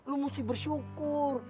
lo mesti bersyukur